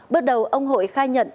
bước đầu ông hội khai nhận